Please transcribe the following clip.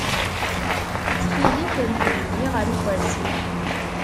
Ttxil-k, rfed-iyi ɣer ukersi-w.